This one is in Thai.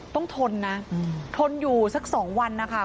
ทนนะทนอยู่สัก๒วันนะคะ